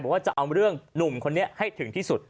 ว่าจะเอาเรื่องหนุ่มคนนี้ให้ถึงที่สุด